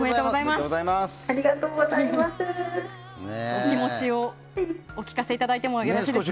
お気持ちをお聞かせいただいてもよろしいですか。